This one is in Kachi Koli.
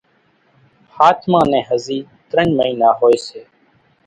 ۿاچمان نين ھزي ترڃ مئينا ھوئي سي